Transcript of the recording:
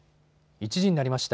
１時になりました。